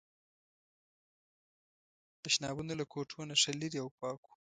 تشنابونه له کوټو نه ښه لرې او پاک وو.